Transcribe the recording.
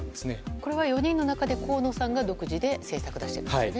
これは４人の中で河野さんが独自で政策を出しているんですよね。